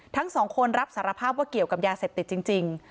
ทั้งสองคนรับสารภาพว่าเกี่ยวกับยาเสพติดจริง